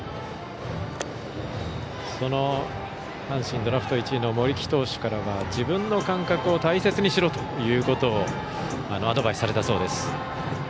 阪神ドラフト１位の森木投手からは自分の感覚を大切にしろとアドバイスされたそうです。